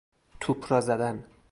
توپ را زدن